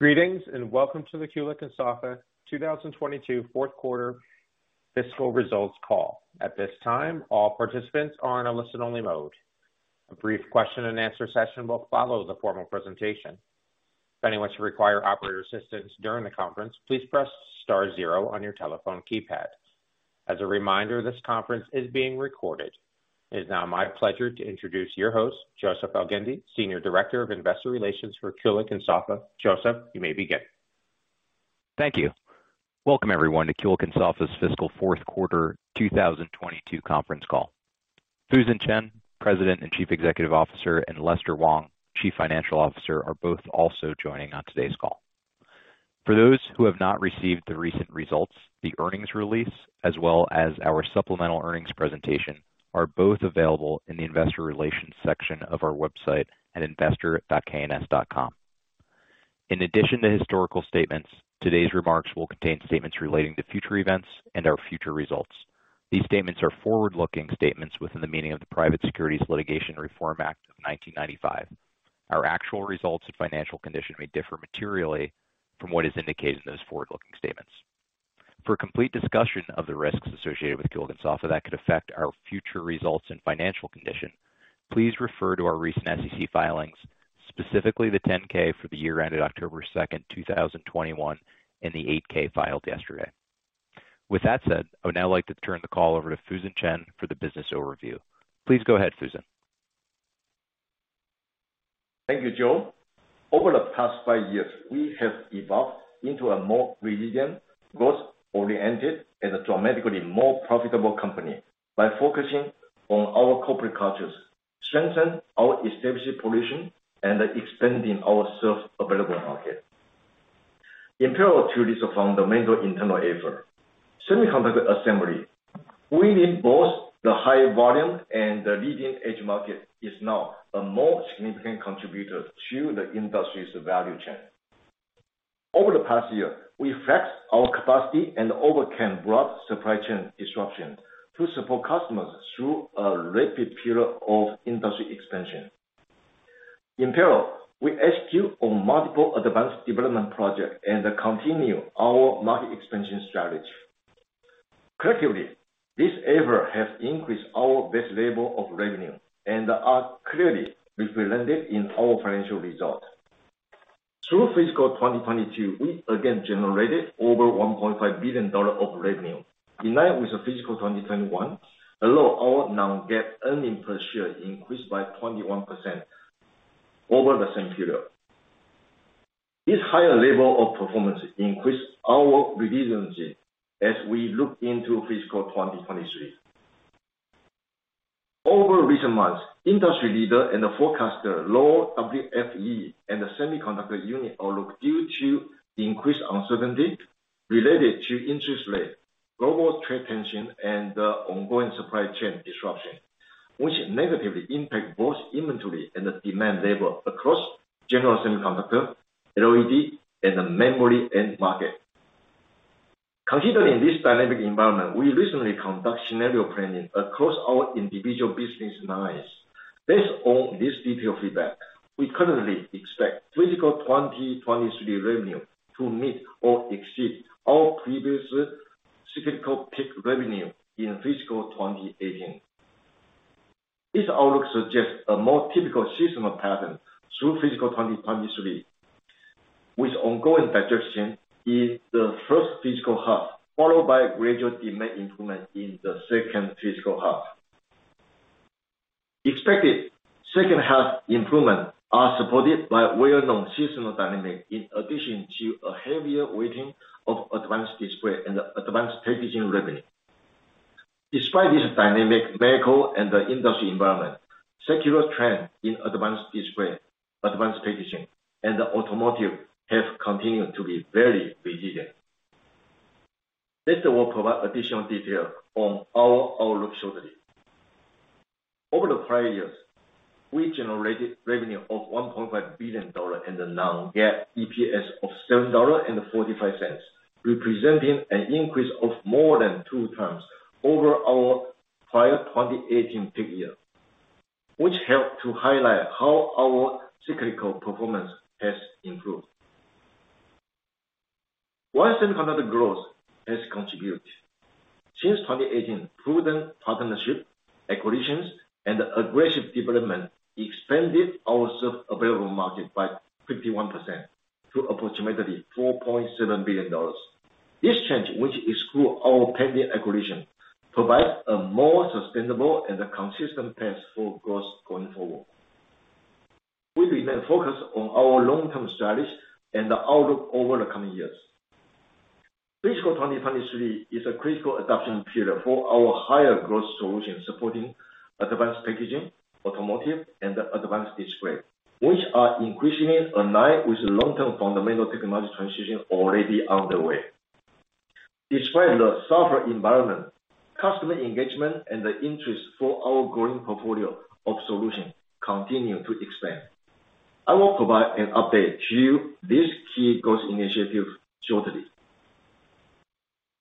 Greetings and welcome to the Kulicke & Soffa, Inc. 2022 fourth quarter fiscal results call. At this time, all participants are in a listen-only mode. A brief question-and-answer session will follow the formal presentation. If anyone should require operator assistance during the conference, please press star zero on your telephone keypad. As a reminder, this conference is being recorded. It is now my pleasure to introduce your host, Joseph Elgindy, Senior Director of Investor Relations for Kulicke & Soffa, Inc. Joseph, you may begin. Thank you. Welcome everyone to Kulicke & Soffa Industries, Inc.'s fiscal fourth quarter 2022 conference call. Fusen Chen, President and Chief Executive Officer, and Lester Wong, Chief Financial Officer, are both also joining on today's call. For those who have not received the recent results, the earnings release, as well as our supplemental earnings presentation, are both available in the investor relations section of our website at investor.kns.com. In addition to historical statements, today's remarks will contain statements relating to future events and our future results. These statements are forward-looking statements within the meaning of the Private Securities Litigation Reform Act of 1995. Our actual results and financial condition may differ materially from what is indicated in those forward-looking statements. For a complete discussion of the risks associated with Kulicke & Soffa Industries, Inc. That could affect our future results and financial condition, please refer to our recent SEC filings, specifically the 10-K for the year ended October 2nd, 2021, and the 8-K filed yesterday. With that said, I would now like to turn the call over to Fusen Chen for the business overview. Please go ahead, Fusen. Thank you, Joseph. Over the past five years, we have evolved into a more resilient, growth-oriented, and a dramatically more profitable company by focusing on our corporate cultures, strengthen our established position, and expanding our served available market. In parallel to these fundamental internal effort, semiconductor assembly winning both the high volume and the leading-edge market is now a more significant contributor to the industry's value chain. Over the past year, we flexed our capacity and overcame broad supply chain disruptions to support customers through a rapid period of industry expansion. In parallel, we execute on multiple advanced development projects and continue our market expansion strategy. Collectively, this effort has increased our base level of revenue and are clearly reflected in our financial results. Through fiscal 2022, we again generated over $1.5 billion of revenue, in line with the fiscal 2021, although our non-GAAP earnings per share increased by 21% over the same period. This higher level of performance increased our resiliency as we look into fiscal 2023. Over recent months, industry leader and forecaster lowered WFE and the semiconductor unit outlook due to increased uncertainty related to interest rates, global trade tension, and the ongoing supply chain disruption, which negatively impact both inventory and the demand level across general semiconductor, LED, and memory end market. Considering this dynamic environment, we recently conduct scenario planning across our individual business lines. Based on this detailed feedback, we currently expect fiscal 2023 revenue to meet or exceed our previous cyclical peak revenue in fiscal 2018. This outlook suggests a more typical seasonal pattern through fiscal 2023, with ongoing digestion in the first fiscal half, followed by gradual demand improvement in the second fiscal half. Expected second half improvements are supported by well-known seasonal dynamics, in addition to a heavier weighting of advanced display and advanced packaging revenue. Despite this dynamic macro and the industry environment, secular trends in advanced display, advanced packaging, and the automotive have continued to be very resilient. Lester will provide additional detail on our outlook shortly. Over the prior year, we generated revenue of $1.5 billion and a non-GAAP EPS of $7.45, representing an increase of more than two times over our prior 2018 peak year, which help to highlight how our cyclical performance has improved. While semiconductor growth has contributed. Since 2018, prudent partnership, acquisitions, and aggressive development expanded our served available market by 51% to approximately $4.7 billion. This change, which excludes our pending acquisition, provides a more sustainable and a consistent path for growth going forward. We remain focused on our long-term strategy and the outlook over the coming years. Fiscal 2023 is a critical adoption period for our higher growth solutions supporting advanced packaging, automotive, and advanced display, which are increasingly aligned with long-term fundamental technology transition already underway. Despite the softer environment, customer engagement and the interest for our growing portfolio of solutions continue to expand. I will provide an update to these key growth initiatives shortly.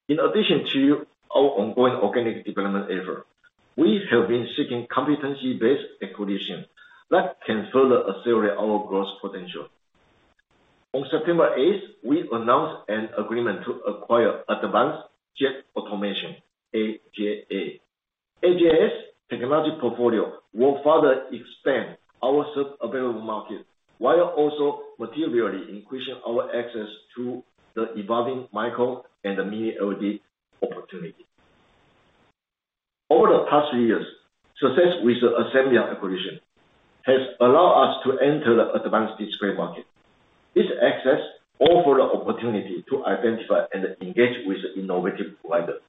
In addition to our ongoing organic development effort, we have been seeking competency-based acquisition that can further accelerate our growth potential. On September 8th, we announced an agreement to acquire Advanced Jet Automation, AJA. AJA's technology portfolio will further expand our available market, while also materially increasing our access to the evolving micro and the mini LED opportunity. Over the past years, success with the Assembléon acquisition has allowed us to enter the advanced display market. This access offer the opportunity to identify and engage with innovative providers,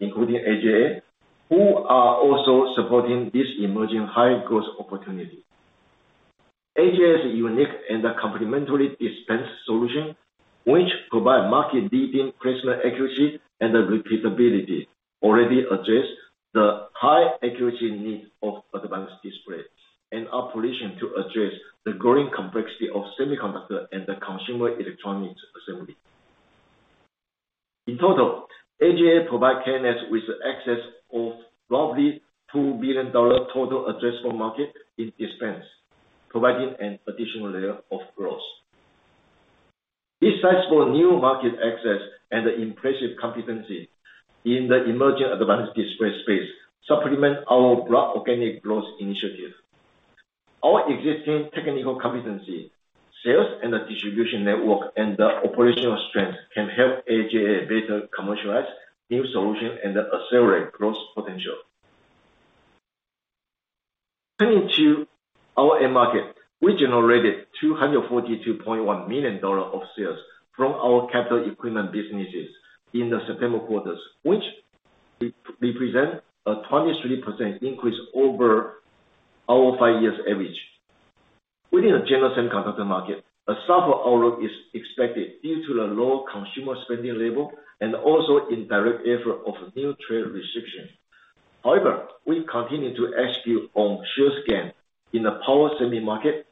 including AJA, who are also supporting this emerging high-growth opportunity. AJA's unique and complementary dispense solutions, which provide market-leading placement accuracy and repeatability, already address the high accuracy needs of advanced display and are positioned to address the growing complexity of semiconductor and the consumer electronics assembly. In total, AJA provide K&S with access of roughly $2 billion total addressable market in dispense, providing an additional layer of growth. This sizable new market access and the impressive competency in the emerging advanced display space supplement our broad organic growth initiative. Our existing technical competency, sales and distribution network, and the operational strength can help AJA better commercialize new solution and accelerate growth potential. Turning to our end market, we generated $242.1 million of sales from our capital equipment businesses in the September quarters, which represent a 23% increase over our five years average. Within the general semiconductor market, a softer outlook is expected due to the lower consumer spending level and also indirect effect of new trade restrictions. However, we continue to execute on share gain in the power semi market,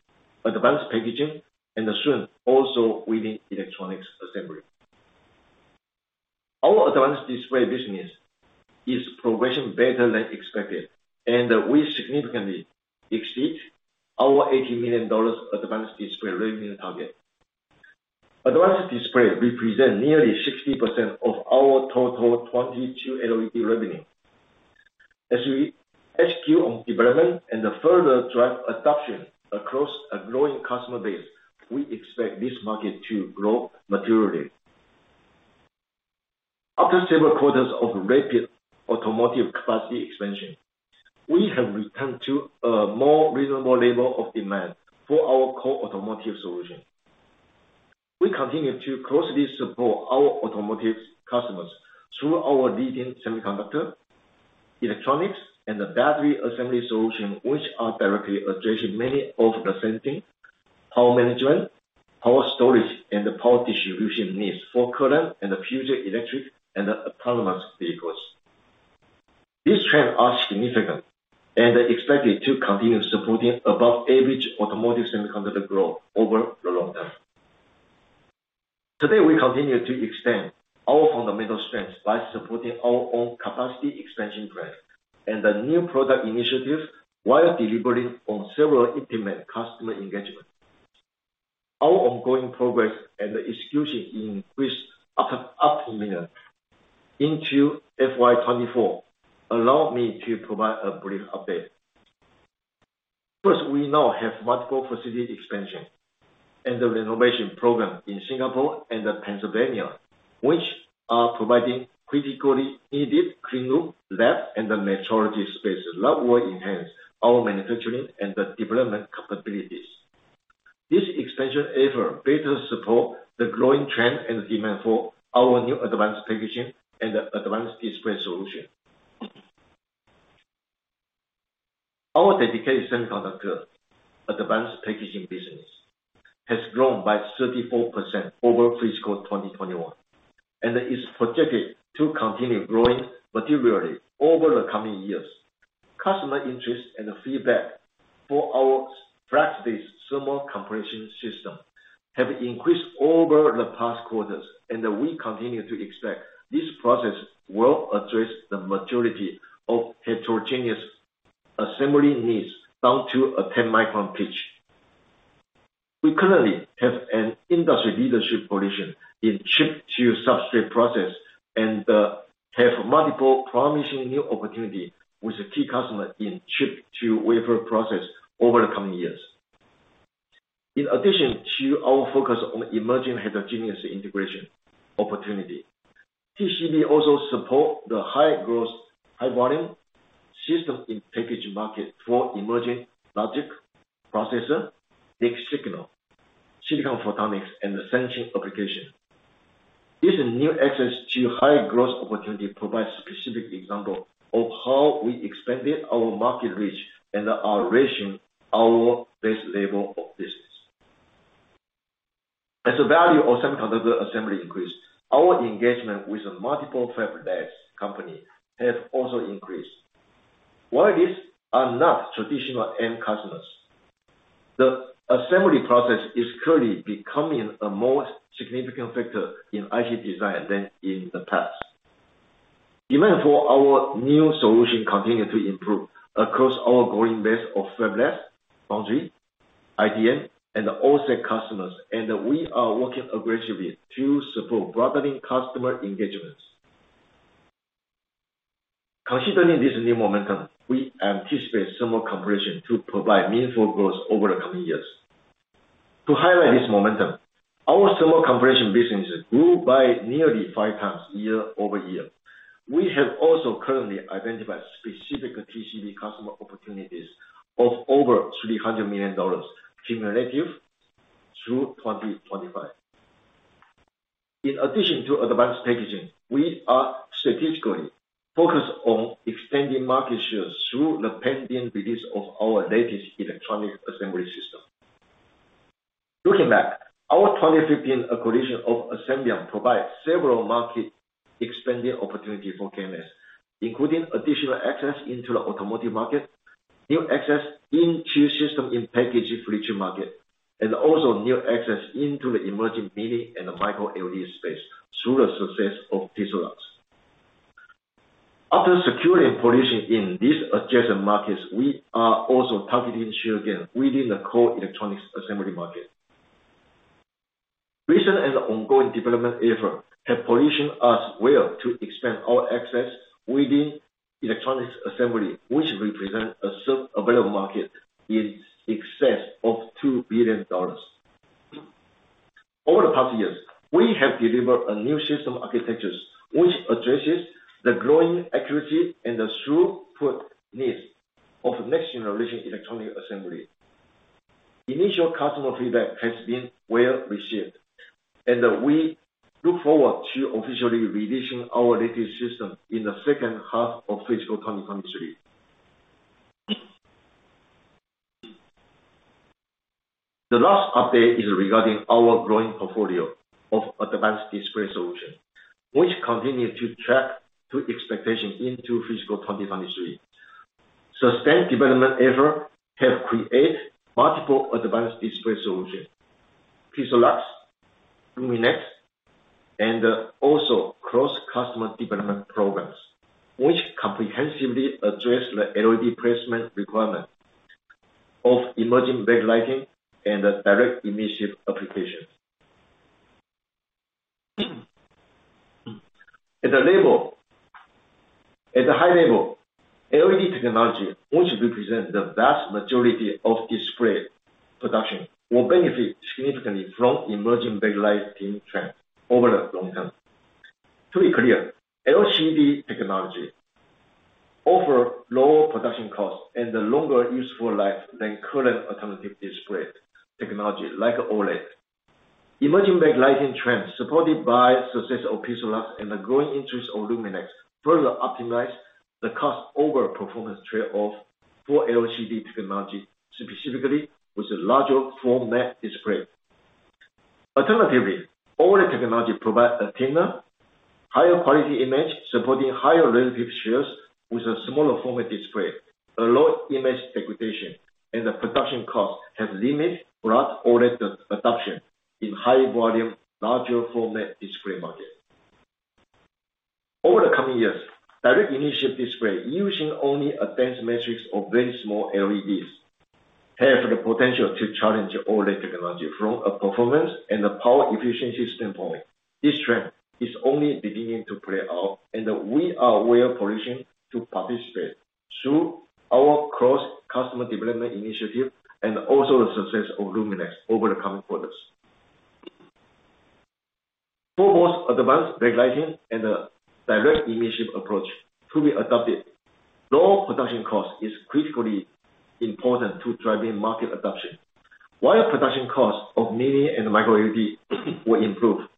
advanced packaging, and soon, also within electronics assembly. Our advanced display business is progressing better than expected, and we significantly exceed our $80 million advanced display revenue target. Advanced display represent nearly 60% of our total 2022 LED revenue. As we execute on development and further drive adoption across a growing customer base, we expect this market to grow materially. After several quarters of rapid automotive capacity expansion, we have returned to a more reasonable level of demand for our core automotive solution. We continue to closely support our automotive customers through our leading semiconductor, electronics, and battery assembly solution, which are directly addressing many of the sensing, power management, power storage, and the power distribution needs for current and future electric and autonomous vehicles. These trends are significant and expected to continue supporting above-average automotive semiconductor growth over the long term. Today, we continue to extend our fundamental strengths by supporting our own capacity expansion plan and the new product initiatives, while delivering on several intimate customer engagement. Our ongoing progress and execution increasing optimism into FY 2024 allow me to provide a brief update. First, we now have multiple facility expansion and the renovation program in Singapore and Pennsylvania, which are providing critically needed cleanroom, lab, and metrology spaces that will enhance our manufacturing and development capabilities. This expansion effort better support the growing trend and demand for our new advanced packaging and advanced display solution. Our dedicated semiconductor advanced packaging business has grown by 34% over fiscal 2021, and it is projected to continue growing materially over the coming years. Customer interest and feedback for our fluxless thermocompression system have increased over the past quarters. We continue to expect this process will address the majority of heterogeneous assembly needs down to a 10-micron pitch. We currently have an industry leadership position in Chip-to-Substrate process and have multiple promising new opportunity with key customer in Chip-to-Wafer process over the coming years. In addition to our focus on emerging heterogeneous integration opportunity, TCB also support the high-growth, high-volume System-in-Package market for emerging logic, processor, mixed signal, silicon photonics, and sensing application. This new access to high-growth opportunity provides specific example of how we expanded our market reach and are raising our base level of business. As the value of semiconductor assembly increase, our engagement with multiple fabless company have also increased. While these are not traditional end customers, the assembly process is currently becoming a more significant factor in IC design than in the past. Even for our new solution continue to improve across our growing base of fabless foundry, IDM, and the OSAT customers. We are working aggressively to support broadening customer engagements. Considering this new momentum, we anticipate thermocompression to provide meaningful growth over the coming years. To highlight this momentum, our thermocompression businesses grew by nearly five times year-over-year. We have also currently identified specific TCB customer opportunities of over $300 million cumulative through 2025. In addition to advanced packaging, we are strategically focused on extending market shares through the pending release of our latest electronic assembly system. Looking back, our 2015 acquisition of Assembléon provides several market-expanding opportunity for K&S, including additional access into the automotive market, new access into System-in-Package solution market, and also new access into the emerging mini and micro LED space through the success of PIXALUX. After securing position in these adjacent markets, we are also targeting share gain within the core electronics assembly market. Recent and ongoing development efforts have positioned us well to expand our access within electronics assembly, which represent a served available market in excess of $2 billion. Over the past years, we have delivered a new system architectures, which addresses the growing accuracy and the throughput needs of next-generation electronics assembly. Initial customer feedback has been well received, and we look forward to officially releasing our latest system in the second half of fiscal 2023. The last update is regarding our growing portfolio of advanced display solutions, which continue to track to expectations into fiscal 2023. Sustained development efforts have created multiple advanced display solutions, PIXALUX, LUMINEX, and also cross-customer development programs, which comprehensively address the LED placement requirements of emerging backlighting and direct emission applications. At the high level, LED technology, which represent the vast majority of display production, will benefit significantly from emerging backlighting trends over the long term. To be clear, LCD technology offer lower production costs and a longer useful life than current alternative display technology like OLED. Emerging backlighting trends, supported by success of PIXALUX and the growing interest of LUMINEX, further optimize the cost over performance trade-off for LCD technology, specifically with the larger format display. Alternatively, OLED technology provides a thinner, higher quality image, supporting higher relative shares with a smaller format display. A low image degradation and the production cost has limited broad OLED adoption in high volume, larger format display market. Over the coming years, direct emissive display using only advanced matrix of very small LEDs, have the potential to challenge OLED technology from a performance and a power efficiency standpoint. This trend is only beginning to play out, and we are well-positioned to participate through our cross-customer development initiative and also the success of LUMINEX over the coming quarters. For most advanced backlighting and direct emission approach to be adopted, low production cost is critically important to driving market adoption. While production costs of mini and micro LED will improve,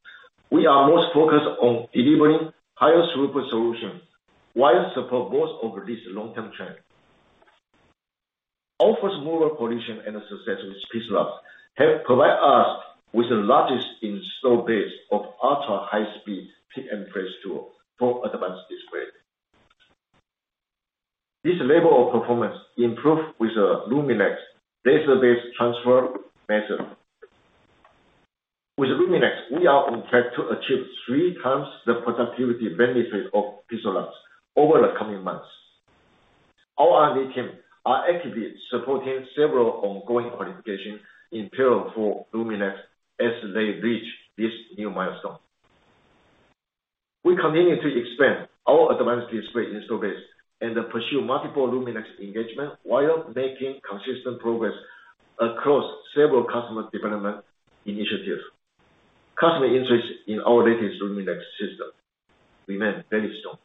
we are most focused on delivering higher throughput solutions while support both of these long-term trends. Our foremost position and success with PIXALUX have provide us with the largest install base of ultra-high speed pick and place tool for advanced display. This level of performance improve with LUMINEX laser-based transfer method. With LUMINEX, we are on track to achieve three times the productivity benefit of PIXALUX over the coming months. Our R&D team are actively supporting several ongoing qualifications in parallel for LUMINEX as they reach this new milestone. We continue to expand our advanced display install base and pursue multiple LUMINEX engagement while making consistent progress across several customer development initiatives. Customer interest in our latest LUMINEX system remain very strong.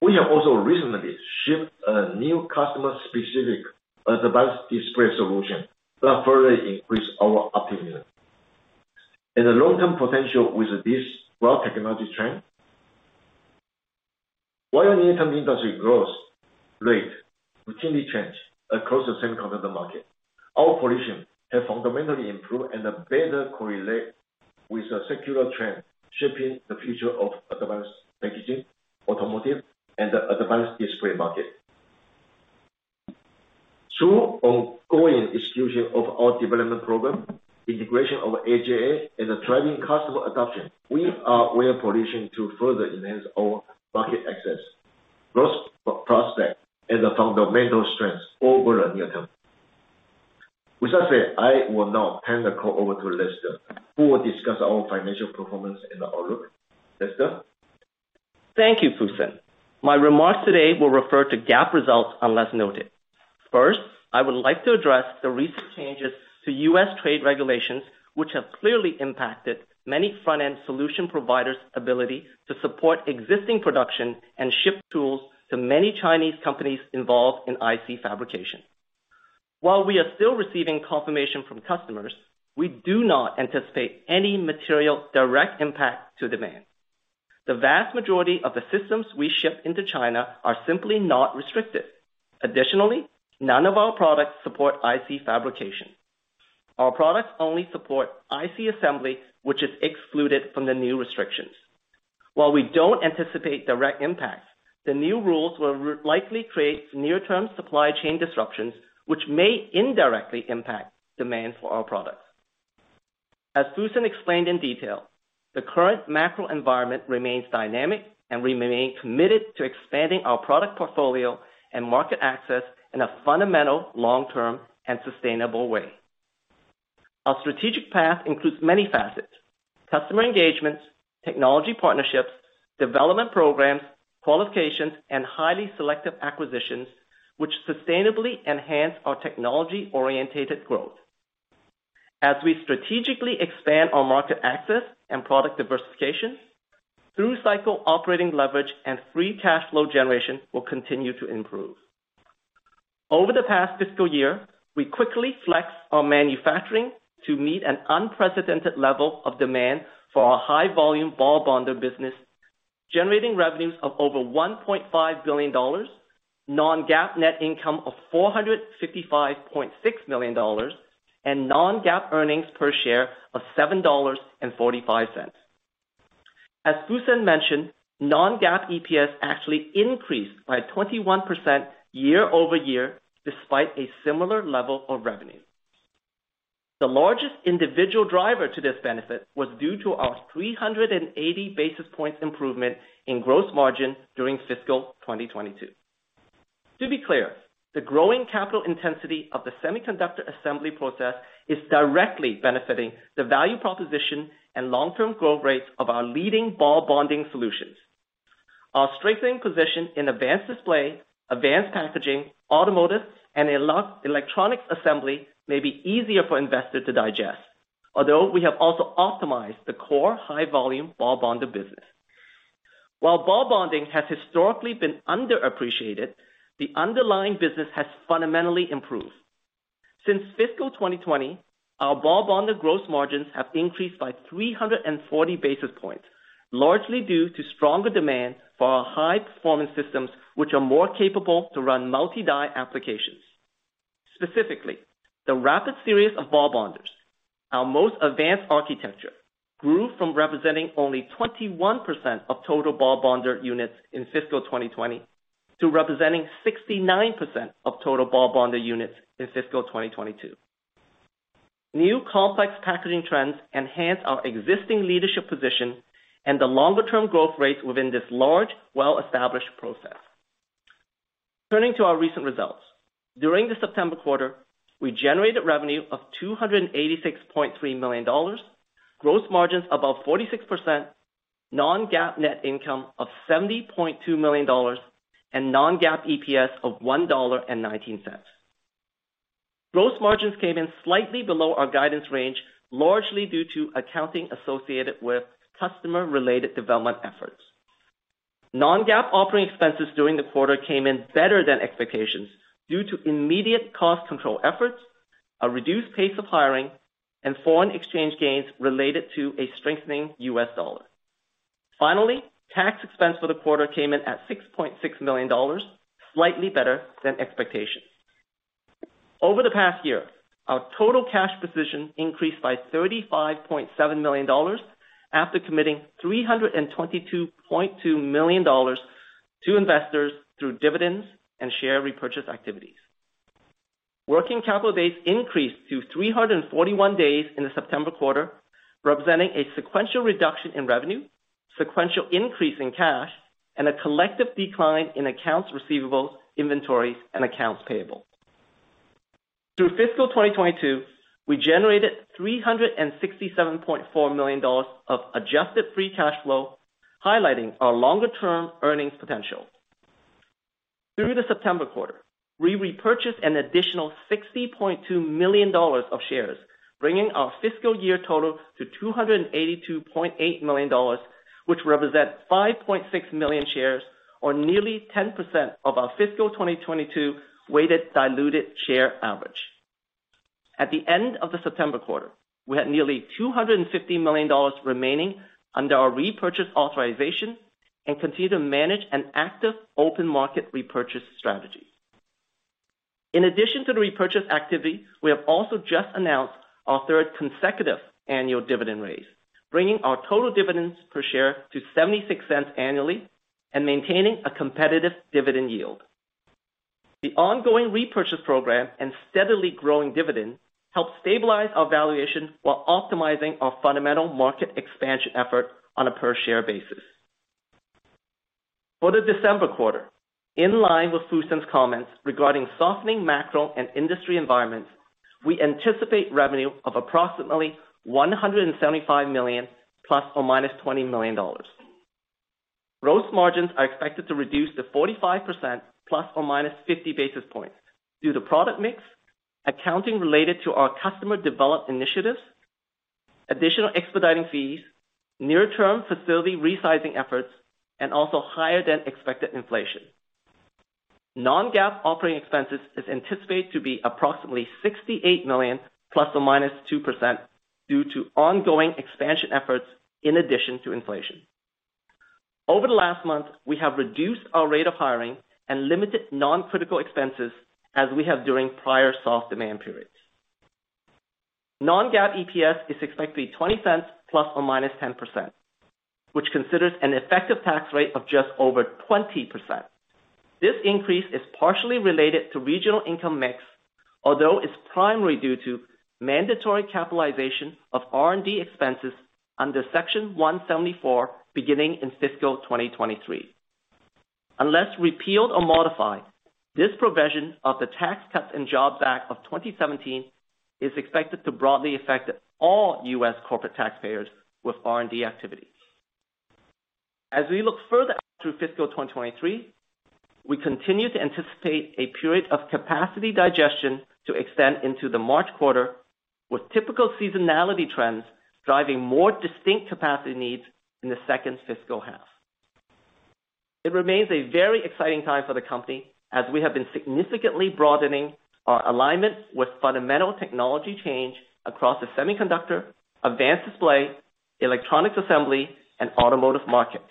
We have also recently shipped a new customer-specific advanced display solution that further increase our optimism. In the long-term potential with this broad technology trend, while the end-item industry growth rate routinely change across the semiconductor market, our position have fundamentally improved and better correlate with the secular trend, shaping the future of advanced packaging, automotive, and the advanced display market. Through ongoing execution of our development program, integration of AJA, and driving customer adoption, we are well-positioned to further enhance our market access, growth prospects, and fundamental strengths over the near term. With that said, I will now turn the call over to Lester, who will discuss our financial performance and outlook. Lester? Thank you, Fusen. My remarks today will refer to GAAP results unless noted. First, I would like to address the recent changes to U.S. trade regulations, which have clearly impacted many front-end solution providers' ability to support existing production and ship tools to many Chinese companies involved in IC fabrication. While we are still receiving confirmation from customers, we do not anticipate any material direct impact to demand. The vast majority of the systems we ship into China are simply not restricted. Additionally, none of our products support IC fabrication. Our products only support IC assembly, which is excluded from the new restrictions. While we don't anticipate direct impacts, the new rules will likely create near-term supply chain disruptions, which may indirectly impact demand for our products. As Fusen explained in detail, the current macro environment remains dynamic, and we remain committed to expanding our product portfolio and market access in a fundamental, long-term, and sustainable way. Our strategic path includes many facets, customer engagements, technology partnerships, development programs, qualifications, and highly selective acquisitions, which sustainably enhance our technology-orientated growth. As we strategically expand our market access and product diversification, through-cycle operating leverage and free cash flow generation will continue to improve. Over the past fiscal year, we quickly flexed our manufacturing to meet an unprecedented level of demand for our high-volume ball bonder business, generating revenues of over $1.5 billion, non-GAAP net income of $455.6 million, and non-GAAP earnings per share of $7.45. As Fusen mentioned, non-GAAP EPS actually increased by 21% year-over-year, despite a similar level of revenue. The largest individual driver to this benefit was due to our 380 basis points improvement in gross margin during fiscal 2022. To be clear, the growing capital intensity of the semiconductor assembly process is directly benefiting the value proposition and long-term growth rates of our leading ball bonding solutions. Our strengthening position in advanced display, advanced packaging, automotive, and electronics assembly may be easier for investors to digest. Although we have also optimized the core high-volume ball bonder business. While ball bonding has historically been underappreciated, the underlying business has fundamentally improved. Since fiscal 2020, our ball bonder gross margins have increased by 340 basis points, largely due to stronger demand for our high-performance systems, which are more capable to run multi-die applications. Specifically, the RAPID series of ball bonders, our most advanced architecture, grew from representing only 21% of total ball bonder units in fiscal 2020 to representing 69% of total ball bonder units in fiscal 2022. New complex packaging trends enhance our existing leadership position and the longer-term growth rates within this large, well-established process. Turning to our recent results. During the September quarter, we generated revenue of $286.3 million, gross margins above 46%, non-GAAP net income of $70.2 million, and non-GAAP EPS of $1.19. Gross margins came in slightly below our guidance range, largely due to accounting associated with customer-related development efforts. Non-GAAP operating expenses during the quarter came in better than expectations due to immediate cost control efforts, a reduced pace of hiring, and foreign exchange gains related to a strengthening U.S. dollar. Finally, tax expense for the quarter came in at $6.6 million, slightly better than expectations. Over the past year, our total cash position increased by $35.7 million after committing $322.2 million to investors through dividends and share repurchase activities. Working capital days increased to 341 days in the September quarter, representing a sequential reduction in revenue, sequential increase in cash, and a collective decline in accounts receivable, inventories, and accounts payable. Through fiscal 2022, we generated $367.4 million of adjusted free cash flow, highlighting our longer-term earnings potential. Through the September quarter, we repurchased an additional $60.2 million of shares, bringing our fiscal year total to $282.8 million, which represent 5.6 million shares, or nearly 10% of our fiscal 2022 weighted diluted share average. At the end of the September quarter, we had nearly $250 million remaining under our repurchase authorization. Continue to manage an active open market repurchase strategy. In addition to the repurchase activity, we have also just announced our third consecutive annual dividend raise, bringing our total dividends per share to $0.76 annually and maintaining a competitive dividend yield. The ongoing repurchase program and steadily growing dividend help stabilize our valuation while optimizing our fundamental market expansion effort on a per-share basis. For the December quarter, in line with Fusen's comments regarding softening macro and industry environments, we anticipate revenue of approximately $175 million ± $20 million. Gross margins are expected to reduce to 45% ± 50 basis points due to product mix, accounting related to our customer development initiatives, additional expediting fees, near-term facility resizing efforts, and also higher than expected inflation. Non-GAAP operating expenses is anticipated to be approximately $68 million ± 2% due to ongoing expansion efforts in addition to inflation. Over the last month, we have reduced our rate of hiring and limited non-critical expenses as we have during prior soft demand periods. Non-GAAP EPS is expected to be $0.20 ± 10%, which considers an effective tax rate of just over 20%. This increase is partially related to regional income mix, although it's primarily due to mandatory capitalization of R&D expenses under Section 174 beginning in fiscal 2023. Unless repealed or modified, this provision of the Tax Cuts and Jobs Act of 2017 is expected to broadly affect all U.S. corporate taxpayers with R&D activities. As we look further through fiscal 2023, we continue to anticipate a period of capacity digestion to extend into the March quarter, with typical seasonality trends driving more distinct capacity needs in the second fiscal half. It remains a very exciting time for the company as we have been significantly broadening our alignment with fundamental technology change across the semiconductor, advanced display, electronics assembly, and automotive markets.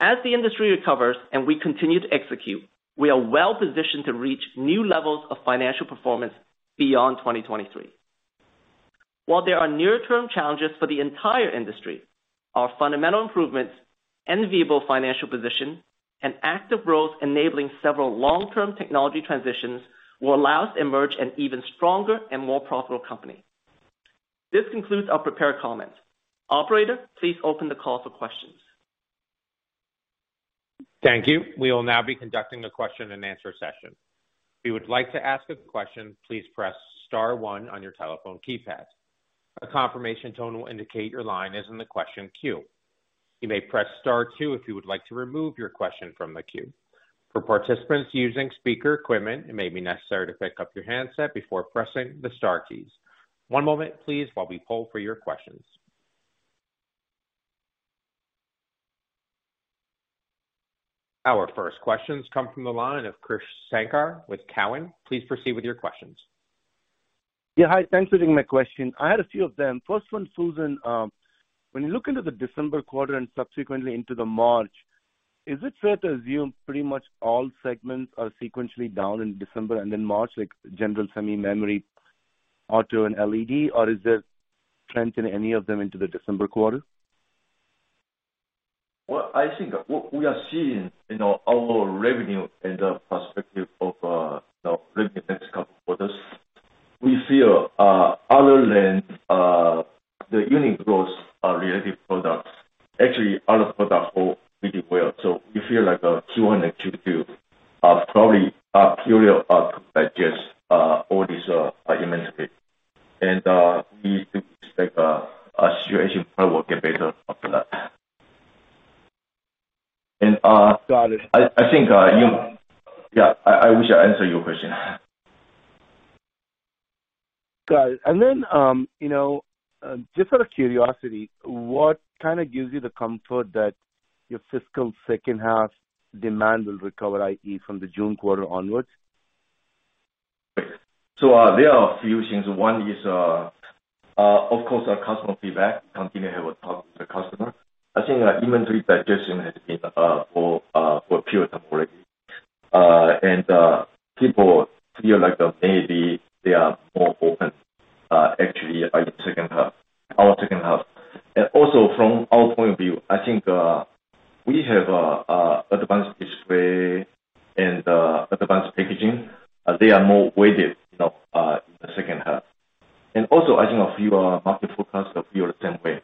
As the industry recovers and we continue to execute, we are well-positioned to reach new levels of financial performance beyond 2023. While there are near-term challenges for the entire industry, our fundamental improvements, enviable financial position, and active roles enabling several long-term technology transitions will allow us to emerge an even stronger and more profitable company. This concludes our prepared comments. Operator, please open the call for questions. Thank you. We will now be conducting a question-and-answer session. If you would like to ask a question, please press star one on your telephone keypad. A confirmation tone will indicate your line is in the question queue. You may press star two if you would like to remove your question from the queue. For participants using speaker equipment, it may be necessary to pick up your handset before pressing the star keys. One moment, please, while we poll for your questions. Our first questions come from the line of Krish Sankar with Cowen. Please proceed with your questions. Yeah, hi. Thanks for taking my question. I had a few of them. First one, Fusen, when you look into the December quarter and subsequently into the March, is it fair to assume pretty much all segments are sequentially down in December and then March, like General Semi, Memory, Auto, and LED? Is there strength in any of them into the December quarter? Well, I think what we are seeing in our revenue and the perspective of, you know, next couple quarters, we feel other than the unique growth-related products, actually other products grow pretty well. We feel like 2022 probably a period of digestion, all these inventory. We think it's like our situation probably will get better after that. Got it. I think. Yeah, I wish I answer your question. Got it. You know, just out of curiosity, what kind of gives you the comfort that your fiscal second half demand will recover, i.e., from the June quarter onwards? There are a few things. One is, of course, our customer feedback. Continue have a talk with the customer. I think our inventory digestion has been for a period of time already. People feel like maybe they are more open, actually by the second half, our second half. From our point of view, I think we have advanced display and advanced packaging. They are more weighted, you know, in the second half. I think a few market forecasts feel the same way.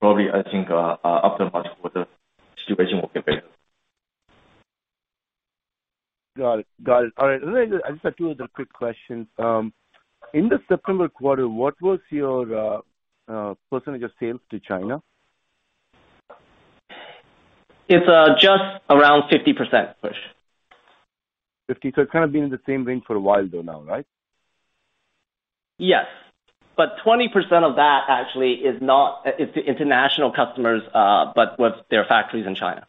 Probably, I think after March quarter, situation will get better. Got it. All right. I just have two other quick questions. In the September quarter, what was your percentage of sales to China? It's just around 50%, Krish. 50%. It's kind of been in the same range for a while though now, right? Yes. 20% of that actually it's international customers, but with their factories in China.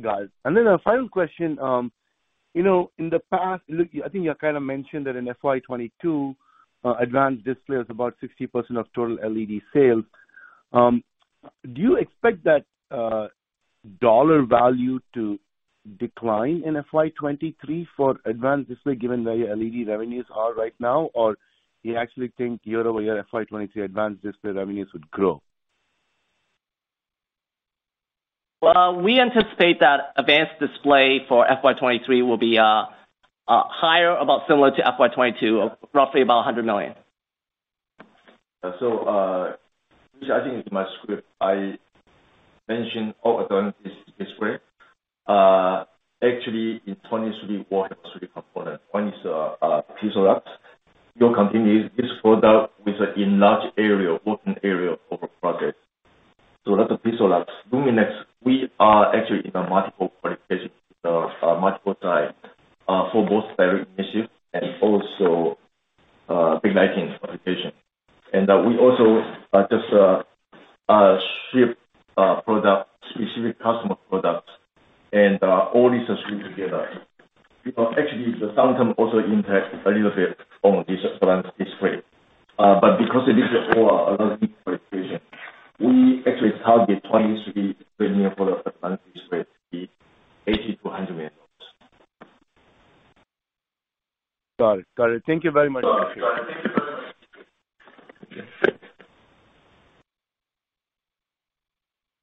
Got it. A final question. You know, in the past, look, I think you kind of mentioned that in FY 2022, advanced display is about 60% of total LED sales. Do you expect that dollar value to decline in FY 2023 for advanced display given where your LED revenues are right now? You actually think year-over-year FY 2023 advanced display revenues would grow? Well, we anticipate that advanced display for FY 2023 will be about similar to FY 2022, roughly about $100 million. Which I think in my script I mentioned display. Actually in 2023, component one is PIXALUX. PIXALUX is this product with an enlarged area, working area of a product. LUMINEX, we are actually in a multiple qualification, multiple times for both direct-emissive and also backlighting qualification. We also just ship specific customer products, and all these are strung together. You know, actually the timing also impact a little bit on this advanced display. Because it is all under qualification, we actually target 2023 advanced display to be $80 million-$100 million. Got it. Thank you very much.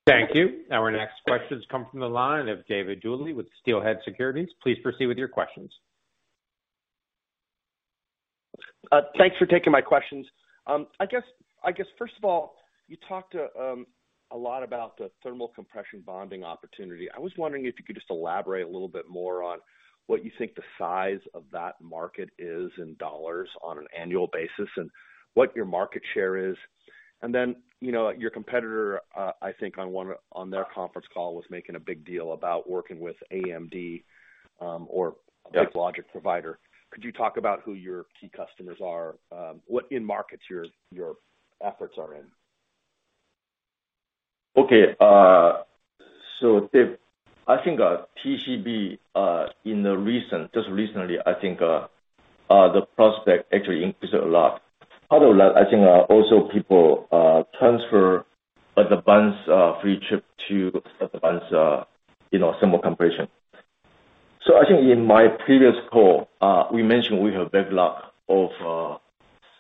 Thank you. Our next questions come from the line of David Duley with Steelhead Securities. Please proceed with your questions. Thanks for taking my questions. I guess first of all, you talked a lot about the thermocompression bonding opportunity. I was wondering if you could just elaborate a little bit more on what you think the size of that market is in dollars on an annual basis, and what your market share is. You know, your competitor, I think on their conference call was making a big deal about working with AMD or logic provider. Could you talk about who your key customers are? What end markets your efforts are in? Okay. David, I think TCB in the recent, just recently, I think the prospect actually increased a lot. Other than that, I think also people transfer like advanced three chip to advanced, you know, thermocompression. I think in my previous call, we mentioned we have backlog of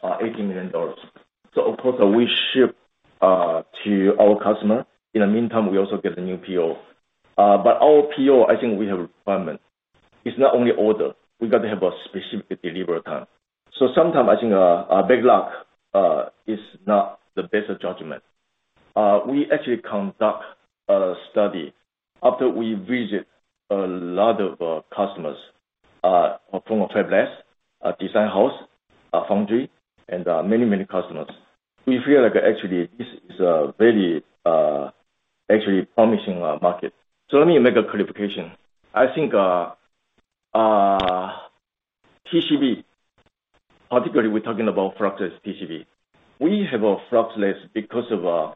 $80 million. Of course, we ship to our customer. In the meantime, we also get a new PO. Our PO, I think we have requirement. It's not only order. We got to have a specific delivery time. Sometimes I think our backlog is not the best judgment. We actually conduct a study after we visit a lot of customers from IDM, design house, foundry, and many, many customers. We feel like actually this is a very actually promising market. Let me make a clarification. I think TCB, particularly we're talking about fluxless TCB. We have a fluxless because of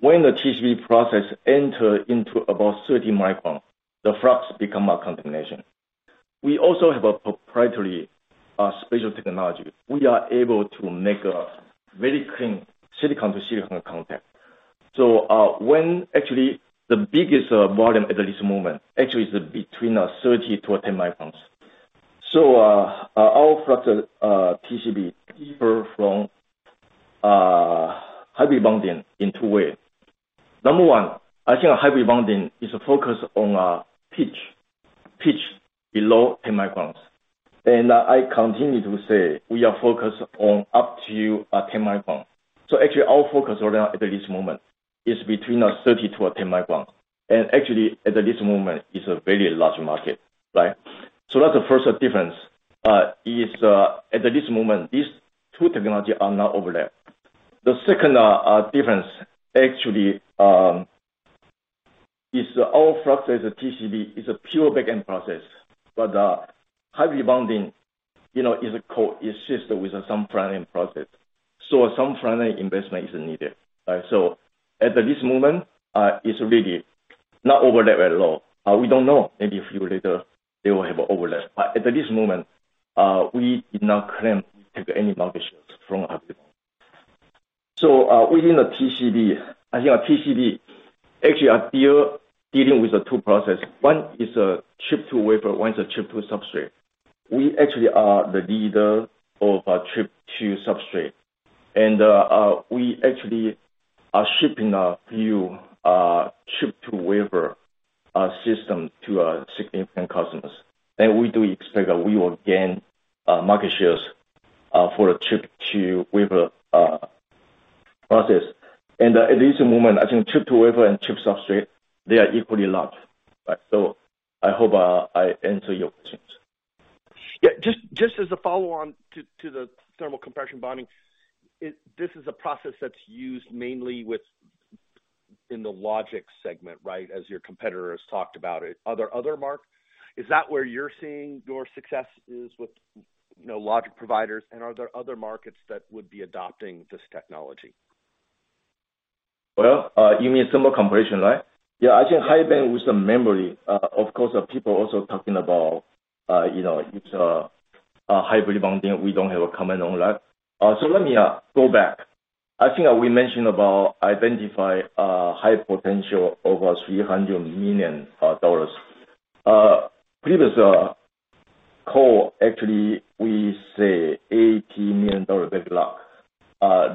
when the TCB process enter into about 30 micron, the flux become a contamination. We also have a proprietary special technology. We are able to make a very clean silicon to silicon contact. When actually the biggest volume at this moment actually is between 30 microns-10 microns. Our flux TCB differ from hybrid bonding in two ways. Number one, I think a hybrid bonding is a focus on pitch below 10 microns. I continue to say we are focused on up to 10 microns. Actually our focus right now at this moment is between 30 to a 10 microns. Actually at this moment is a very large market, right? That's the first difference is at this moment, these two technology are not overlap. The second difference actually is our fluxless TCB is a pure backend process. Hybrid bonding, you know, is a co-exist with some front-end process. Some front-end investment is needed, right? At this moment, it's really not overlap at all. We don't know, maybe a few later they will have overlap. At this moment, we did not claim to take any market shares from. Within the TCB, I think our TCB actually are still dealing with the two process. One is a Chip-to-Wafer, one is a Chip-to-Substrate. We actually are the leader of Chip-to-Substrate. We actually are shipping a few Chip-to-Wafer system to significant customers. We do expect that we will gain market shares for Chip-to-Wafer process. At this moment, I think Chip-to-Wafer and Chip-to-Substrate, they are equally large. Right. I hope I answer your questions. Yeah. Just as a follow-on to the thermocompression bonding, this is a process that's used mainly in the logic segment, right? As your competitor has talked about it. Is that where you're seeing your success is with, you know, logic providers? Are there other markets that would be adopting this technology? Well, you mean thermocompression, right? Yeah, I think high-bandwidth memory, of course, people also talking about, you know, it's a hybrid bonding. We don't have a comment on that. Let me go back. I think we mentioned about identify high potential over $300 million. Previous call, actually, we say $80 million backlog.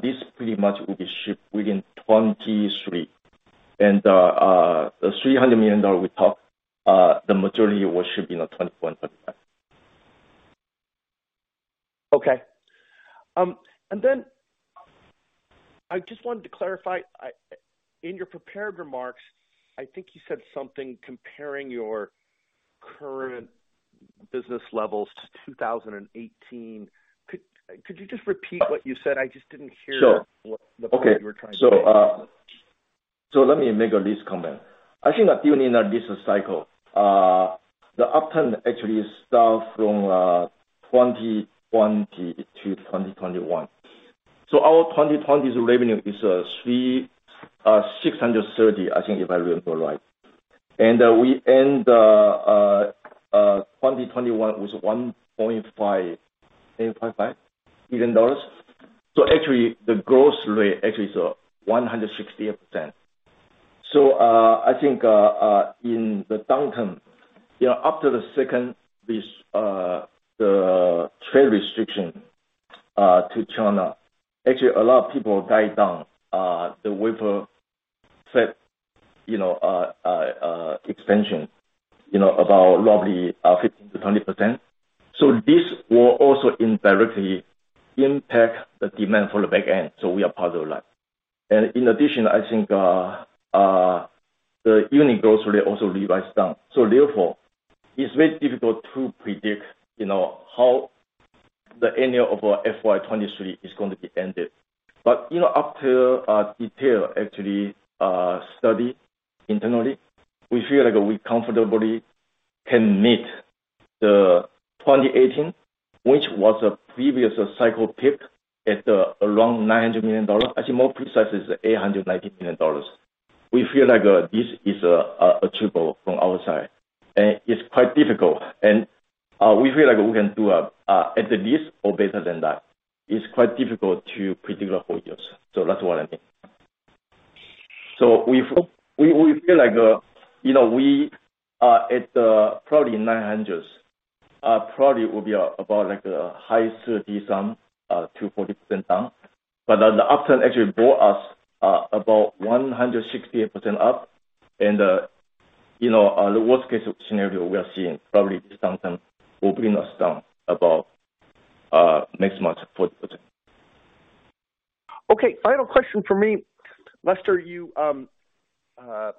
This pretty much will be shipped within 2023. The $300 million we talk, the majority will ship in 2025. Okay. I just wanted to clarify. In your prepared remarks, I think you said something comparing your current business levels to 2018. Could you just repeat what you said? I just didn't hear. Sure. The point you were trying to make. Okay. Let me make a this comment. I think that during this cycle, the upturn actually starts from 2020 to 2021. Our 2020's revenue is $630, I think, if I remember right. We end 2021 with $1.585 billion. Actually the growth rate actually is 160%. I think in the downturn, you know, after the second this, the trade restriction to China, actually a lot of people dialed down the wafer fab expansion, you know, about roughly 15%-20%. This will also indirectly impact the demand for the back end. We are part of it. In addition, I think the unit growth rate also revise down. Therefore, it's very difficult to predict, you know, how the annual of FY 2023 is going to be ended. You know, after detail, actually study internally, we feel like we comfortably can meet the 2018, which was a previous cycle peak at around $900 million. Actually, more precise is $890 million. We feel like this is achievable from our side, and it's quite difficult. We feel like we can do at the least or better than that. It's quite difficult to predict the full years. That's what I think. We feel like, you know, we are at probably $900s, probably will be about like a high 30-some%-40% down. The upturn actually brought us about 160% up. You know, on the worst case scenario, we are seeing probably downturn will bring us down about next month, 40%. Okay, final question for me. Lester, you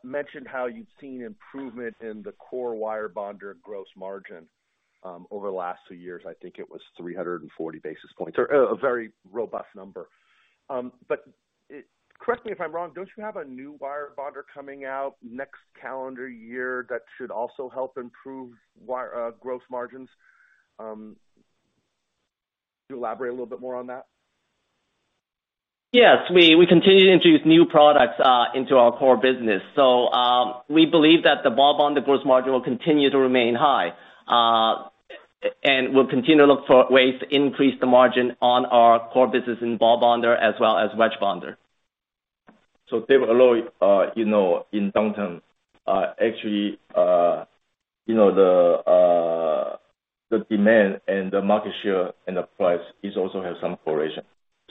mentioned how you've seen improvement in the core wire bonder gross margin over the last two years. I think it was 340 basis points or a very robust number. Correct me if I'm wrong, don't you have a new wire bonder coming out next calendar year that should also help improve wire gross margins? Could you elaborate a little bit more on that? Yes. We continue to introduce new products into our core business. We believe that the ball bonder gross margin will continue to remain high, and we'll continue to look for ways to increase the margin on our core business in ball bonder as well as wedge bonder. TCB, David, you know, in downturn, actually, you know, the demand and the market share and the price is also have some correlation.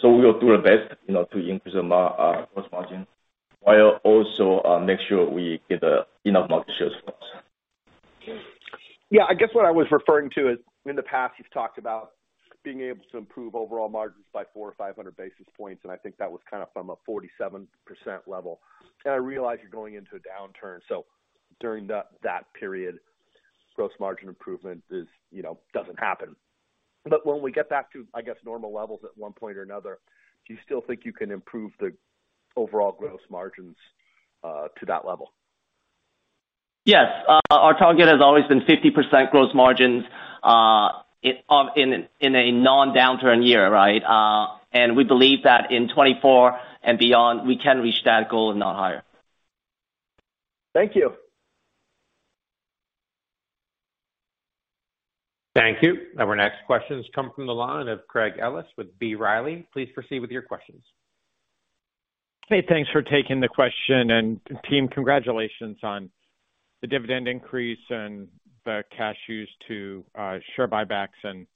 We will do our best, you know, to increase our gross margin, while also make sure we get enough market share as well. Yeah. I guess what I was referring to is, in the past, you've talked about being able to improve overall margins by 400 basis points-500 basis points, and I think that was kind of from a 47% level. I realize you're going into a downturn, so during that period, gross margin improvement, you know, doesn't happen. When we get back to, I guess, normal levels at one point or another, do you still think you can improve the overall gross margins to that level? Yes. Our target has always been 50% gross margins in a non-downturn year, right? We believe that in 2024 and beyond, we can reach that goal and not higher. Thank you. Thank you. Our next question comes from the line of Craig Ellis with B. Riley. Please proceed with your questions. Hey, thanks for taking the question. Team, congratulations on the dividend increase and the cash used to share buybacks and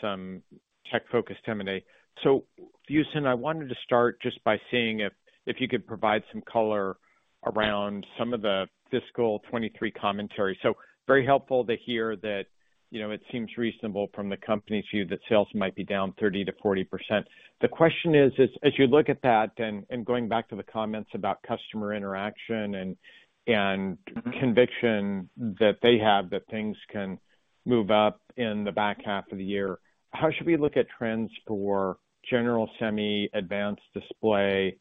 some tech-focused M&A. Fusen, I wanted to start just by seeing if you could provide some color around some of the fiscal 2023 commentary. Very helpful to hear that, you know, it seems reasonable from the company view that sales might be down 30%-40%. The question is, as you look at that and going back to the comments about customer interaction and conviction that they have that things can move up in the back half of the year, how should we look at trends for general semi, advanced display,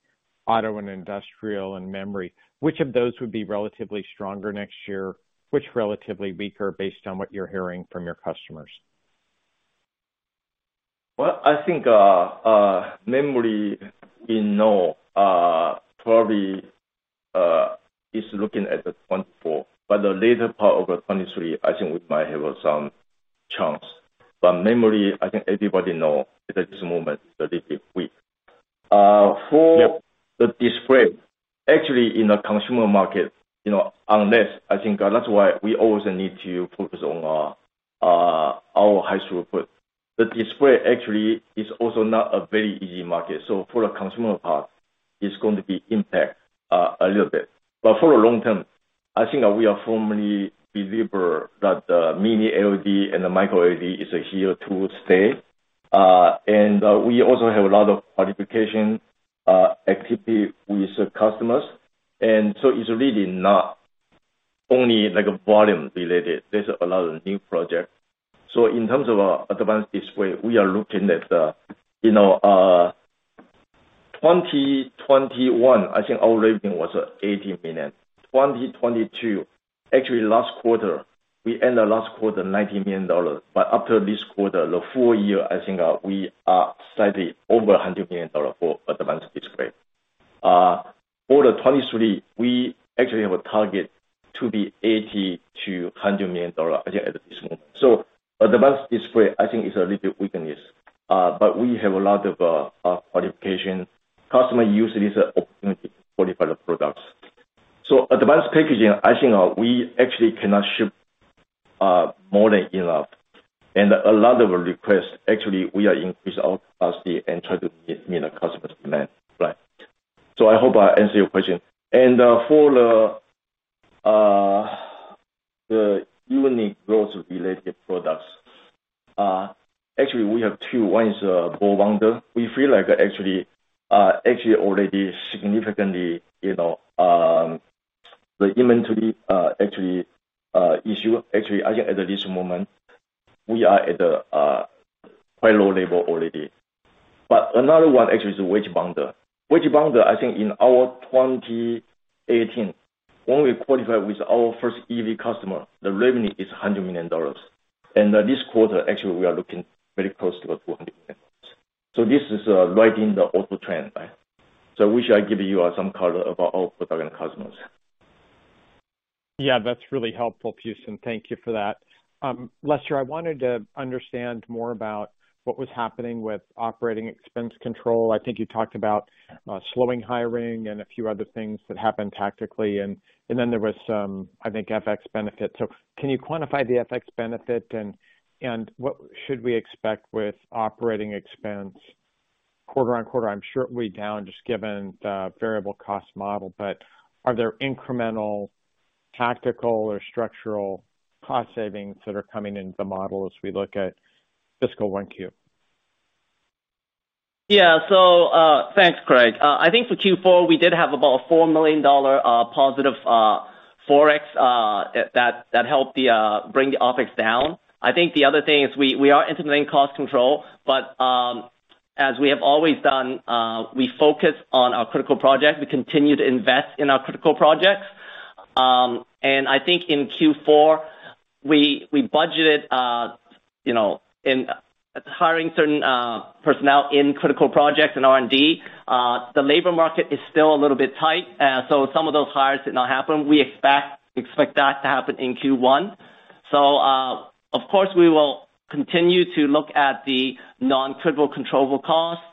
auto and industrial, and memory? Which of those would be relatively stronger next year? Which relatively weaker based on what you're hearing from your customers? Well, I think memory, you know, probably is looking at the 2024, but the later part of the 2023, I think we might have some chance. Memory, I think everybody know that at this moment that it is weak. For the display, actually in a consumer market, you know, I think that's why we always need to focus on our high throughput. The display actually is also not a very easy market. For the consumer part, it's going to be impact a little bit. For the long term, I think we are firmly believer that mini LED and the micro LED is here to stay. We also have a lot of qualification activity with the customers. It's really not only like a volume related. There's a lot of new projects. In terms of advanced display, we are looking at, you know, 2021, I think our revenue was $80 million. 2022, actually last quarter, we end the last quarter $90 million. After this quarter, the full year, I think we are slightly over $100 million for advanced display. For 2023, we actually have a target to be $80 million-$100 million, I think, at this moment. Advanced display, I think is a little weakness, but we have a lot of qualification. Customer use it as an opportunity to qualify the products. Advanced packaging, I think we actually cannot ship more than enough. A lot of requests, actually, we are increase our capacity and try to meet, you know, customer's demand. Right. I hope I answered your question. For the unique growth-related products, actually, we have two. One is ball bonder. We feel like actually already significantly, you know, the inventory, actually, issue. Actually, I think at this moment we are at a quite low level already. Another one actually is a wedge bonder. Wedge bonder, I think in our 2018, when we qualified with our first EV customer, the revenue is $100 million. This quarter, actually, we are looking very close to about $200 million. This is right in the auto trend. We should give you some color about our target customers. Yeah, that's really helpful, Fusen. Thank you for that. Lester, I wanted to understand more about what was happening with operating expense control. I think you talked about slowing hiring and a few other things that happened tactically. There was some, I think, FX benefit. Can you quantify the FX benefit and what should we expect with operating expense quarter-on-quarter? I'm sure it'll be down just given the variable cost model, but are there incremental tactical or structural cost savings that are coming into the model as we look at fiscal 1Q? Yeah, thanks, Craig. I think for Q4, we did have about $4 million positive Forex that helped bring the OpEx down. I think the other thing is we are implementing cost control, but as we have always done, we focus on our critical projects. We continue to invest in our critical projects. I think in Q4, we budgeted, you know, in hiring certain personnel in critical projects and R&D. The labor market is still a little bit tight, so some of those hires did not happen. We expect that to happen in Q1. Of course, we will continue to look at the non-critical controllable costs.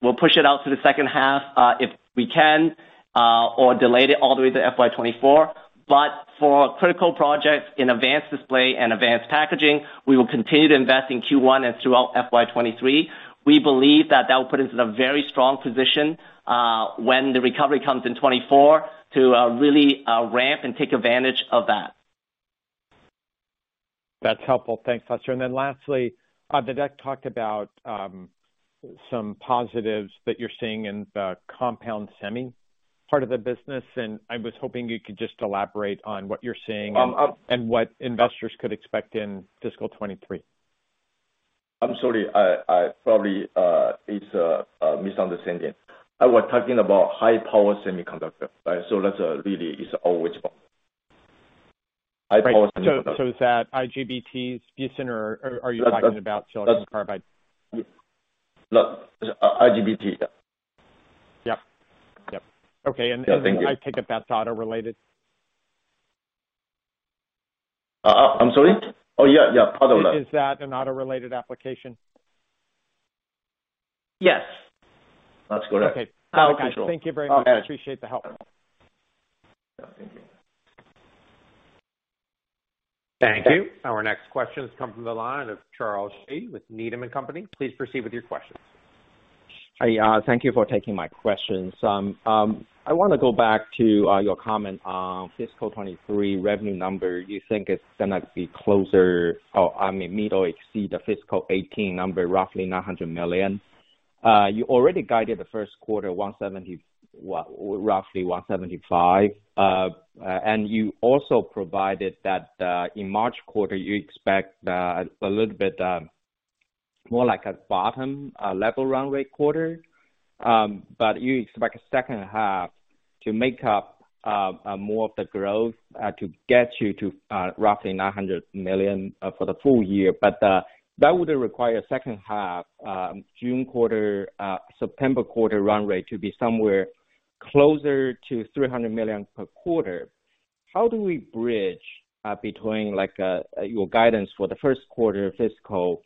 We'll push it out to the second half if we can, or delay it all the way to FY 2024. For critical projects in advanced display and advanced packaging, we will continue to invest in Q1 and throughout FY 2023. We believe that will put us in a very strong position when the recovery comes in 2024 to really ramp and take advantage of that. That's helpful. Thanks, Lester. Lastly, Fusen talked about some positives that you're seeing in the compound semi part of the business, and I was hoping you could just elaborate on what you're seeing and what investors could expect in fiscal 2023. I'm sorry. It's a misunderstanding. I was talking about high-power semiconductor. That really is our wedge bonder. High-power semiconductor. Is that IGBTs, Fusen? Are you talking about silicon carbide? No. IGBT. Yep. Okay. Yeah. Thank you. I take it that's auto-related? I'm sorry. Oh, yeah. Auto-related. Is that an auto-related application? Yes. That's correct. Okay. Power control. Thank you very much. I appreciate the help. Yeah. Thank you. Thank you. Our next question has come from the line of Charles Shi with Needham & Company. Please proceed with your questions. Hi. Thank you for taking my questions. I wanna go back to your comment on fiscal 2023 revenue number. You think it's gonna be closer or, I mean, meet or exceed the fiscal 2018 number, roughly $900 million. You already guided the first quarter, well, roughly $175. You also provided that in March quarter, you expect a little bit more like a bottom level run rate quarter. You expect second half to make up more of the growth to get you to roughly $900 million for the full year. That would require second half, June quarter, September quarter run rate to be somewhere closer to $300 million per quarter. How do we bridge between, like, your guidance for the first quarter fiscal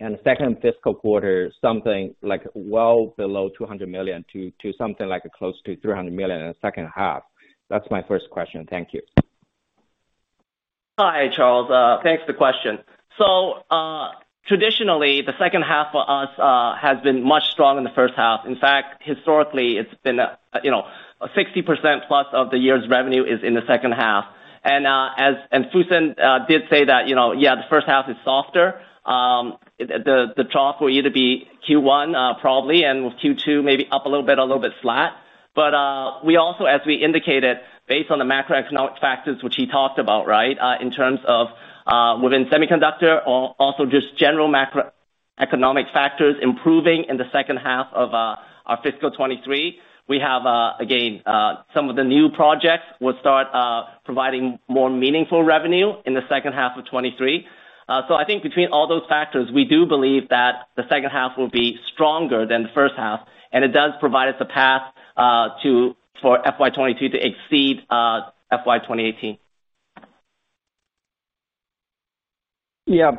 and second fiscal quarter, something like well below $200 million to something like close to $300 million in the second half? That's my first question. Thank you. Hi, Charles. Thanks for the question. Traditionally, the second half for us has been much strong than the first half. In fact, historically, it's been, you know, +60% of the year's revenue is in the second half. Fusen did say that, you know, yeah, the first half is softer. The trough will either be Q1, probably, and with Q2 maybe up a little bit or a little bit flat. We also, as we indicated, based on the macroeconomic factors which he talked about, right? In terms of, within semiconductor also just general macroeconomic factors improving in the second half of our fiscal 2023. We have, again, some of the new projects will start providing more meaningful revenue in the second half of 2023. I think between all those factors, we do believe that the second half will be stronger than the first half, and it does provide us a path for FY 2022 to exceed FY 2018. Yeah.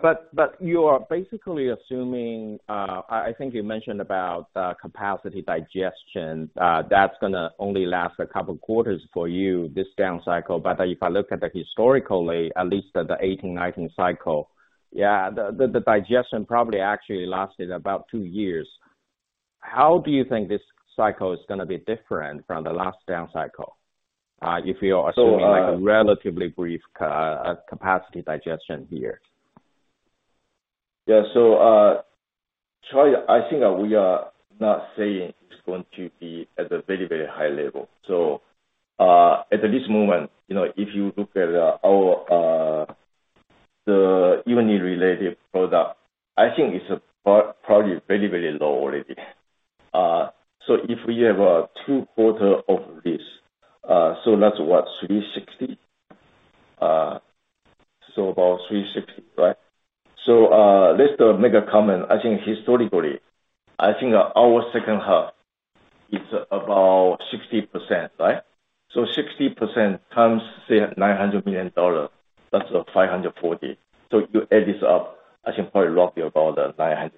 You are basically assuming, I think you mentioned about capacity digestion. That's gonna only last a couple quarters for you this down cycle. If I look at historically, at least at the 2018-2019 cycle, yeah, the digestion probably actually lasted about two years. How do you think this cycle is gonna be different from the last down cycle if you are assuming like a relatively brief capacity digestion here? Yeah, Charles, I think that we are not saying it's going to be at a very, very high level. At this moment, you know, if you look at our unit-related product, I think it's probably very, very low already. If we have two quarter of this, that's what, $360? About $360, right? Just to make a comment, I think historically, I think our second half is about 60%, right? 60% times say $900 million, that's $540. You add this up, I think probably roughly about $900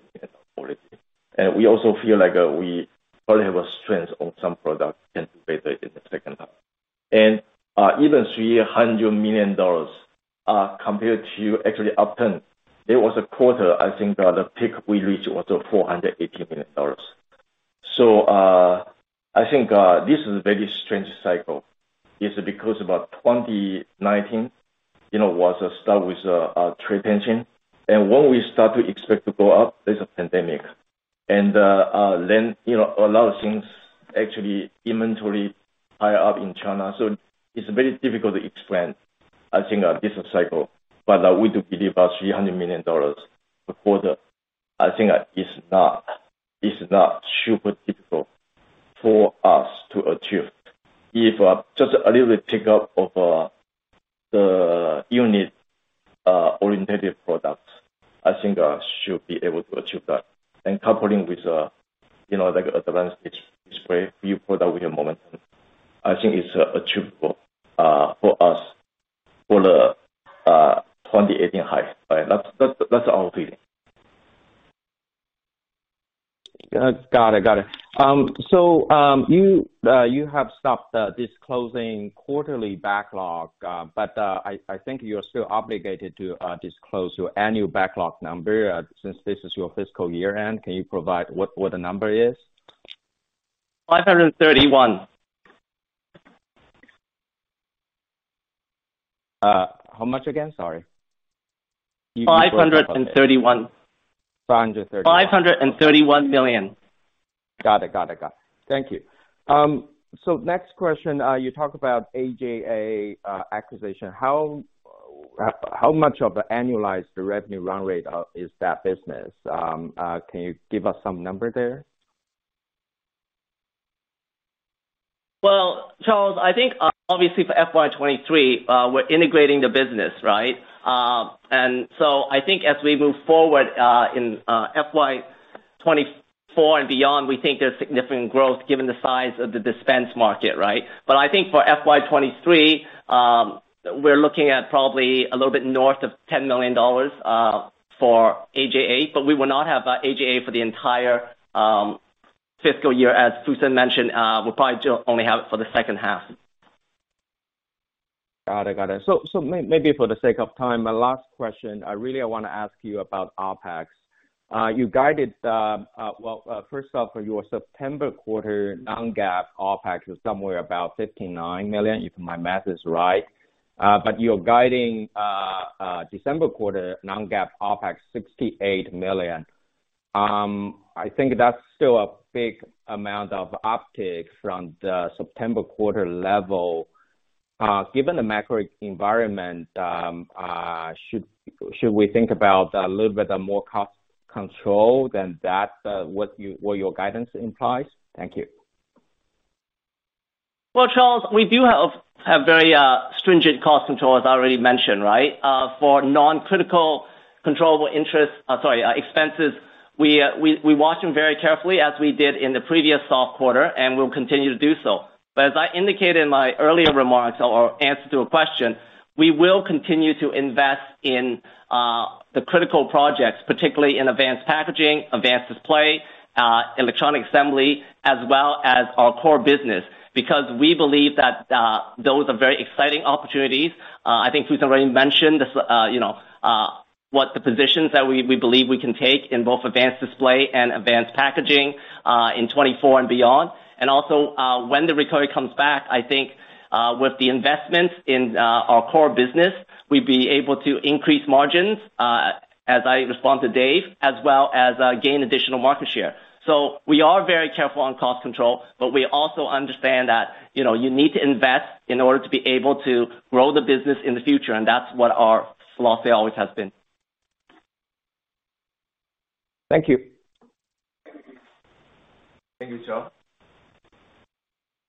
million. We also feel like we probably have a strength on some products can do better in the second half. Even $300 million, compared to actually upturn, there was a quarter, I think, the peak we reached was $480 million. I think this is a very strange cycle. It's because about 2019, you know, was start with trade tension. When we start to expect to go up, there's a pandemic. You know, a lot of things actually inventory high up in China. It's very difficult to explain, I think, this cycle. We do believe our $300 million, I think it's not super difficult for us to achieve. If just a little bit tick up of the unit orientated products, I think should be able to achieve that. Coupling with, you know, like advanced display, new product with momentum, I think it's achievable for us for the 2018 high. Right? That's our feeling. Got it. Got it. You have stopped disclosing quarterly backlog, but I think you're still obligated to disclose your annual backlog number, since this is your fiscal year-end. Can you provide what the number is? 531. How much again? Sorry. $531. $531. $531 million. Got it. Thank you. Next question, you talked about AJA acquisition. How much of the annualized revenue run rate is that business? Can you give us some number there? Well, Charles, I think obviously for FY 2023, we're integrating the business, right? I think as we move forward in FY 2024 and beyond, we think there's significant growth given the size of the dispense market, right? I think for FY 2023, we're looking at probably a little bit north of $10 million for AJA, but we will not have AJA for the entire fiscal year, as Fusen mentioned. We'll probably just only have it for the second half. Got it. Maybe for the sake of time, my last question, I really wanna ask you about OpEx. You guided, first off, for your September quarter non-GAAP OpEx was somewhere about $59 million, if my math is right. You're guiding December quarter non-GAAP OpEx $68 million. I think that's still a big amount of uptick from the September quarter level. Given the macro environment, should we think about a little bit of more cost control than that, what your guidance implies? Thank you. Well, Charles, we do have very stringent cost control, as I already mentioned, right? For non-critical controllable expenses, we watch them very carefully as we did in the previous soft quarter, and we'll continue to do so. As I indicated in my earlier remarks or answer to a question, we will continue to invest in the critical projects, particularly in advanced packaging, advanced display, electronic assembly, as well as our core business, because we believe that those are very exciting opportunities. I think Fusen already mentioned this, you know, the positions that we believe we can take in both advanced display and advanced packaging in 2024 and beyond. When the recovery comes back, I think with the investments in our core business, we'd be able to increase margins, as I respond to David, as well as gain additional market share. We are very careful on cost control, but we also understand that, you know, you need to invest in order to be able to grow the business in the future, and that's what our philosophy always has been. Thank you. Thank you, Charles.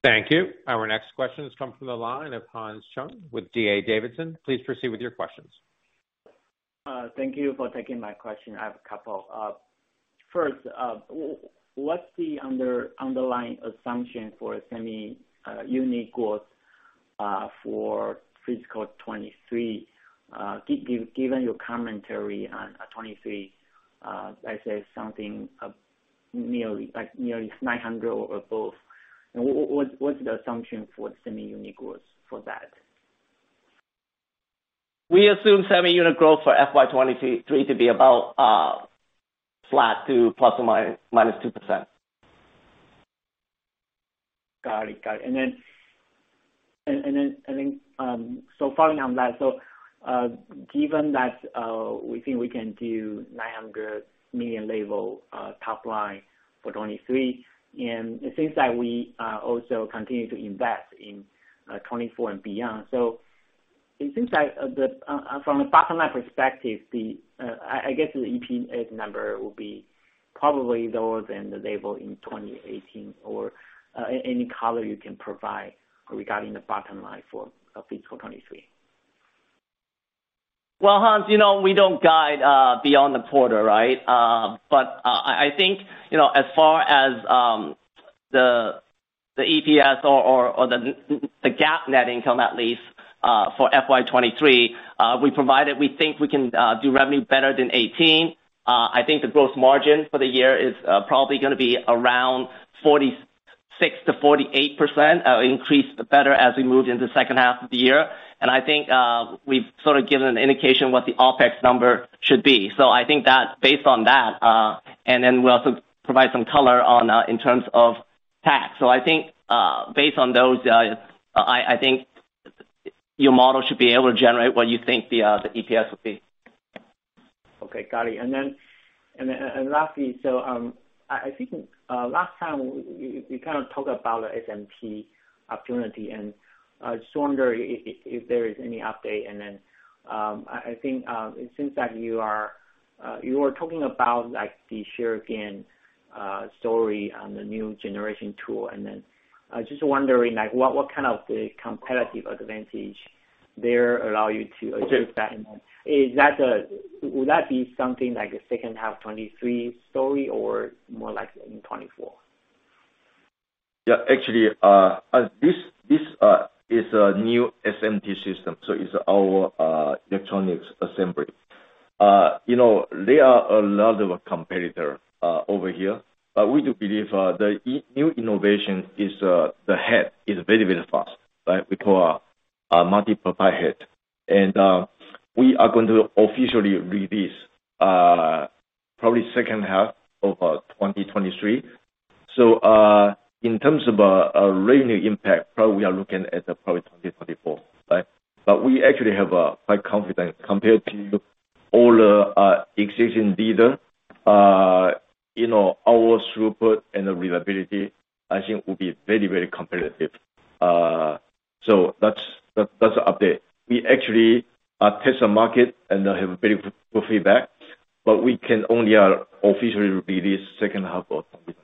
Thank you. Our next question has come from the line of Hans Chung with D.A. Davidson. Please proceed with your questions. Thank you for taking my question. I have a couple. First, what's the underlying assumption for semi unit growth for fiscal 2023? Given your commentary on 2023, let's say something, like, nearly 900 or above. What's the assumption for semi unit growth for that? We assume semi-unit growth for FY 2023 to be about flat to ±2%. Got it. I think, following on that, given that we think we can do $900 million level top line for 2023, and it seems like we also continue to invest in 2024 and beyond. It seems like from a bottom line perspective, I guess the EPS number will be probably lower than the level in 2018, or any color you can provide regarding the bottom line for fiscal 2023? Well, Hans, you know, we don't guide beyond the quarter, right? I think, you know, as far as the EPS or the GAAP net income at least for FY 2023, we provided we think we can do revenue better than $18. I think the gross margin for the year is probably gonna be around 46%-48%, increase better as we move into second half of the year. I think we've sort of given an indication what the OpEx number should be. I think that based on that, we also provide some color on in terms of tax. Based on those, I think your model should be able to generate what you think the EPS will be. Okay. Got it. I think last time we kind of talked about the SMT opportunity and just wonder if there is any update. I think it seems that you are talking about, like, the share gain story on the new generation tool. Just wondering, like, what kind of the competitive advantage there allow you to achieve that? Will that be something like a second half 2023 story or more like in 2024? Yeah. Actually, this is a new SMT system, so it's our electronics assembly. You know, there are a lot of competitor over here. We do believe the head is very, very fast, right? We call multi-profile head. We are going to officially release, probably second half of 2023. In terms of a revenue impact, probably we are looking at probably 2024, right? We actually have quite confident compared to all the existing data. You know, our throughput and the reliability, I think, will be very, very competitive. That's the update. We actually test the market and have very good feedback, but we can only officially release second half of 2023. Got it.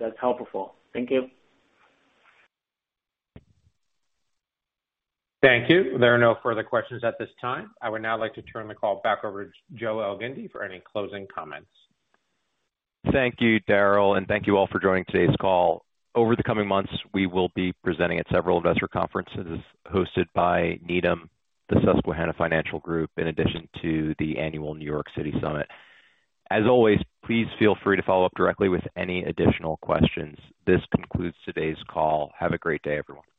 That's helpful. Thank you. Thank you. There are no further questions at this time. I would now like to turn the call back over to Joseph Elgindy for any closing comments. Thank you, Daryl, and thank you all for joining today's call. Over the coming months, we will be presenting at several investor conferences hosted by Needham, the Susquehanna Financial Group, in addition to the annual New York City Summit. As always, please feel free to follow up directly with any additional questions. This concludes today's call. Have a great day, everyone.